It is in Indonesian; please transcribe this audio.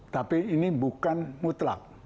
tapi ini bukan mutlak